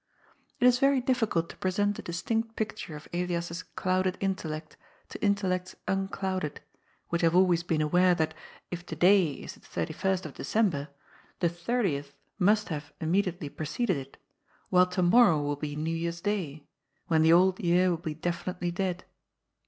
It is very difficult to present a distinct picture of Elias's "clouded intellect" to intellects unclouded, which have always been aware that, if to day is the 31st of December, the 30th must have immediately preceded it, while to morrow will be New Year's Day, when the old year will be definitely dead.